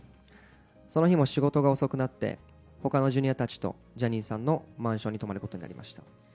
その日も仕事が遅くなって、ほかのジュニアたちとジャニーさんのマンションに泊まることになりました。